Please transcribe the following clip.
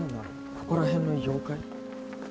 ここら辺の妖怪？